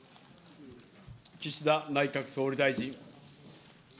岸田内閣総理大臣。